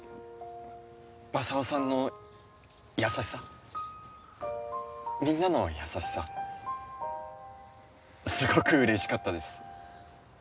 マサオさんの優しさみんなの優しさすごく嬉しかったです。